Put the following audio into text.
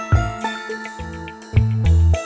sama ukuran mu hobbie